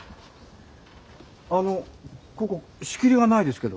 ここ仕切りがないですけど。